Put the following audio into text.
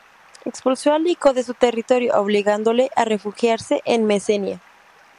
Expulsó a Lico de su territorio, obligándole a refugiarse en Mesenia.